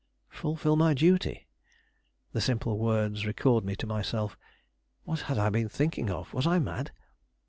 Fulfil my duty! The simple words recalled me to myself. What had I been thinking of; was I mad?